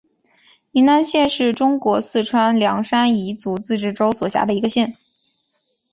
宁南县是中国四川省凉山彝族自治州所辖的一个县。